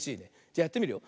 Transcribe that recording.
じゃやってみるよ。